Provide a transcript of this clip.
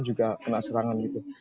juga kena serangan